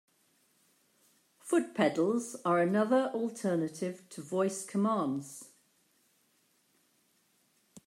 Foot pedals are another alternative to voice commands.